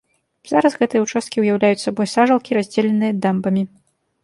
Зараз гэтыя ўчасткі ўяўляюць сабой сажалкі, раздзеленыя дамбамі.